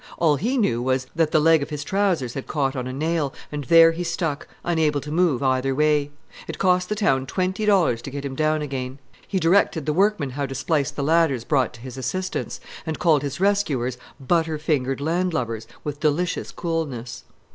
All he knew was, that the leg of his trousers had caught on a nail, and there he stuck, unable to move either way. It cost the town twenty dollars to get him down again. He directed the workmen how to splice the ladders brought to his assistance, and called his rescuers "butter fingered land lubbers" with delicious coolness.